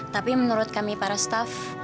tapi menurut kami para staff